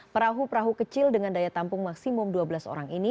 perahu perahu kecil dengan daya tampung maksimum dua belas orang ini